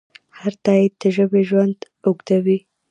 هر تایید د ژبې ژوند اوږدوي.